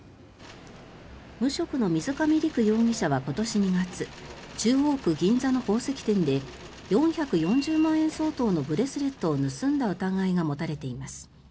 無職の水上陸容疑者は今年２月中央区銀座の宝石店で４４０万円相当のブレスレットを盗んだ疑いが持たれています。